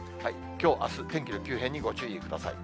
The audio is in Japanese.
きょう、あす、天気の急変にご注意ください。